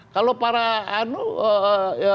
kalau para industri